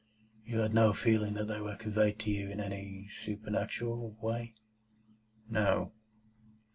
"You had no feeling that they were conveyed to you in any supernatural way?" "No."